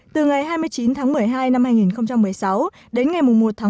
từ ngày hai mươi chín một mươi hai hai nghìn một mươi sáu đến ngày một một hai nghìn một mươi bảy